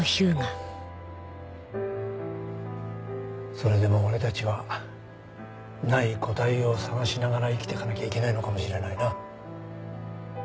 それでも俺たちはない答えを探しながら生きていかなきゃいけないのかもしれないな。